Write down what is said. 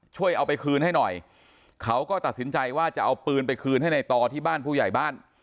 ช่วยเอาไปคืนให้หน่อยเขาก็ตัดสินใจว่าจะเอาปืนไปคืนให้ในต่อที่บ้านผู้ใหญ่บ้าน